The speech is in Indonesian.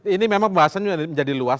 ini memang bahasanya menjadi luas